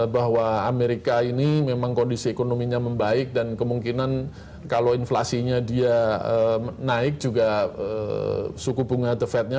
bahwa amerika ini memang kondisi ekonominya membaik dan kemungkinan kalau inflasinya dia naik juga suku bunga the fed nya